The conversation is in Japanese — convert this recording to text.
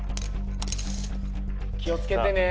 気をつけてね。